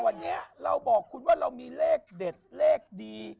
วันนี้เราบอกคุณว่าเรามีเลขเด็ดเลขดี